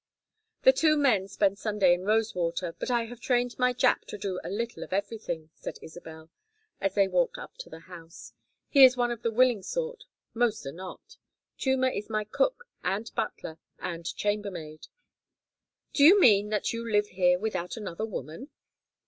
"The two men spend Sunday in Rosewater, but I have trained my Jap to do a little of everything," said Isabel, as they walked up to the house. "He is one of the willing sort; most are not. Chuma is my cook and butler and chambermaid " "Do you mean that you live here without any other woman?"